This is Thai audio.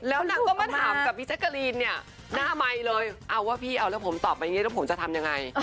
แล้วหนักก็มาถามกับพี่ธกรีนเนี่ยหน้าไมค์เลยว่ผมตอบไปเนี่ยเราจะทำยังไง